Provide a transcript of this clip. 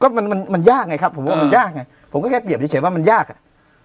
ก็มันมันยากไงครับผมว่ามันยากไงผมก็แค่เปรียบเฉยว่ามันยากอ่ะ